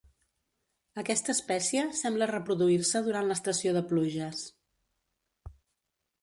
Aquesta espècie sembla reproduir-se durant l'estació de pluges.